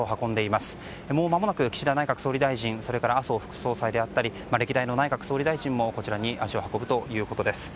まもなく岸田総理大臣麻生副総裁であったり歴代の内閣総理大臣もこちらに足を運ぶということです。